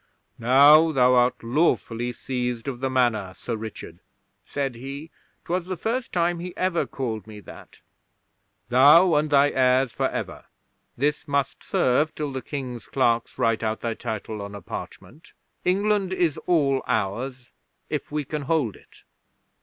'"Now thou art lawfully seized of the Manor, Sir Richard," said he 'twas the first time he ever called me that "thou and thy heirs for ever. This must serve till the King's clerks write out thy title on a parchment. England is all ours if we can hold it."